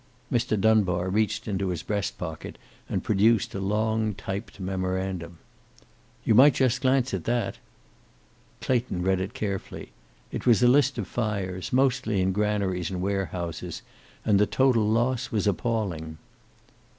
Mr. Dunbar reached into his breast pocket, and produced a long typed memorandum. "You might just glance at that." Clayton read it carefully. It was a list of fires, mostly in granaries and warehouses, and the total loss was appalling.